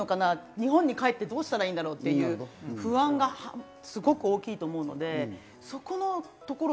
日本に帰ってどうしたらいいんだろうっていう不安がすごく大きいと思うのでそこのところを動くって。